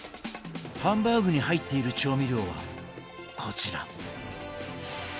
ハンバーグに入っている調味料はこちら。